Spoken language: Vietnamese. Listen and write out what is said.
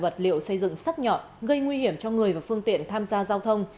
vật liệu xây dựng sắt nhọn gây nguy hiểm cho người và phương tiện tham gia giao thông